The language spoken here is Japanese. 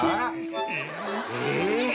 えっ！